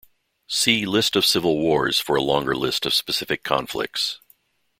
See List of civil wars for a longer list of specific conflicts.